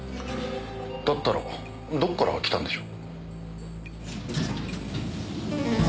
だったらどこから来たんでしょう？